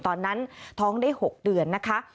ตอนนั้นท้องได้๖เดือนนะคะ